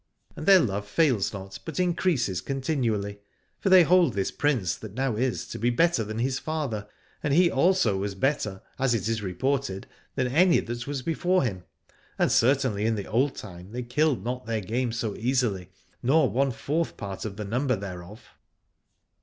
And their love fails not, but increases continually: for they hold this Prince that now is, to be better than his father, and he also was better, as it is reported, than any that was before him : and certainly in the old time they killed not their game so easily, nor one fourth part of the number thereof.